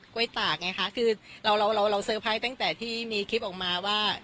้วยตากไงคะคือเราเราเตอร์ไพรส์ตั้งแต่ที่มีคลิปออกมาว่า